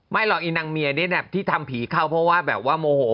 หรอกอีนางเมียนี่ที่ทำผีเข้าเพราะว่าแบบว่าโมโห